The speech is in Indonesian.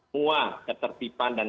mua ketertiban dan